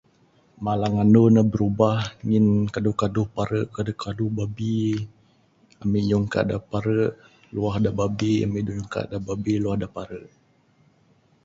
Malang anu ne brubah ngin kaduh kaduh ne pare kaduh kaduh babbi. Ami nyungka da pare luah da babbi, ami nyungka da babbi luah da pare.